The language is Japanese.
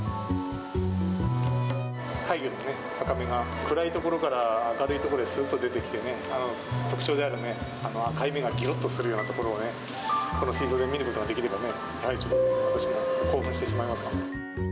怪魚のアカメが暗い所から明るい所にすっと出てきてね、特徴である赤い目がぎろっとするようなところをね、この水槽で見ることができれば、やはりちょっと興奮してしまいますが。